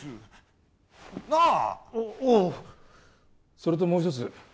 それともう一つ。